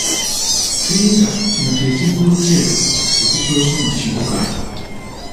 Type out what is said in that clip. Finger kino ky'ekivvulu kye ekisoose mu kibuga.